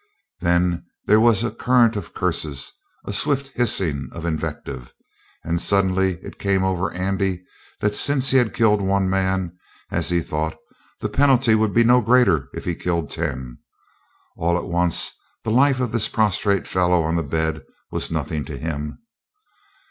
Then there was a current of curses, a swift hissing of invective. And suddenly it came over Andy that since he had killed one man, as he thought, the penalty would be no greater if he killed ten. All at once the life of this prostrate fellow on the bed was nothing to him.